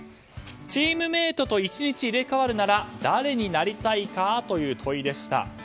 チームメートと１日入れ替わるなら誰になりたい？という問いでした。